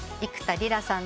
りらさん。